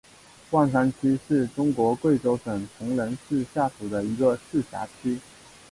万山区是中国贵州省铜仁市下属的一个市辖区。